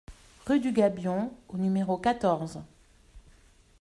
Rue du Gabion au numéro quatorze